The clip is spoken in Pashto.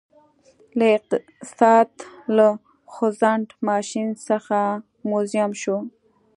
له اقتصاد له خوځنده ماشین څخه موزیم شو